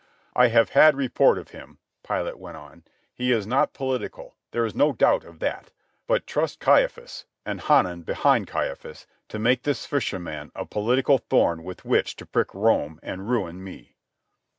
"I have had report of him," Pilate went on. "He is not political. There is no doubt of that. But trust Caiaphas, and Hanan behind Caiaphas, to make of this fisherman a political thorn with which to prick Rome and ruin me."